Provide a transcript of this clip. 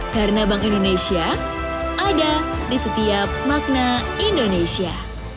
karena bank indonesia ada di setiap makna indonesia